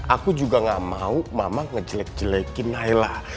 aku juga gak mau mama ngejelek jelekin naila